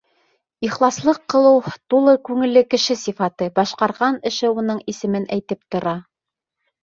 Ихласлыҡ ҡылыу — тулы күңелле кеше сифаты, башҡарған эше уның исемен әйтеп тора.